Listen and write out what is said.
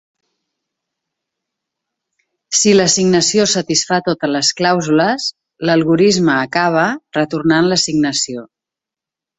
Si l'assignació satisfà totes les clàusules, l'algorisme acaba, retornant l'assignació.